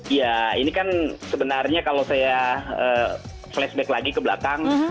iya ini kan sebenarnya kalau saya flashback lagi ke belakang